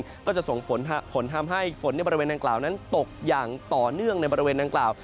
ไปกันจะส่งผลทำให้ภืนในบริเวณนางกล่าวตกอย่างต่อเนื่องในบริเวณนางกล่าว